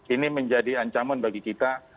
ini menjadi ancaman bagi kita